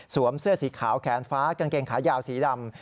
เสื้อสีขาวแขนฟ้ากางเกงขายาวสีดำ